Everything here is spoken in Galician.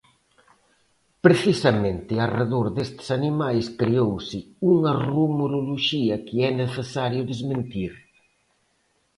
Precisamente arredor destes animais creouse unha rumoroloxía que é necesario desmentir.